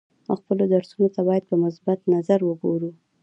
خپلو درسونو ته باید په مثبت نظر وګورو.